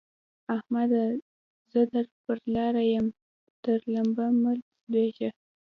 احمده! زه در پر لاره يم؛ تر لمبه مه لوېږه.